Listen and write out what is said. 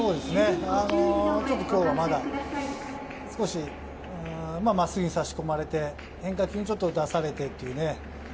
ちょっと今日はまだ少し真っすぐに差し込まれて打たされてというね。